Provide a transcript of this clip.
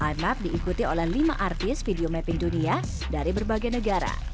imap diikuti oleh lima artis video mapping dunia dari berbagai negara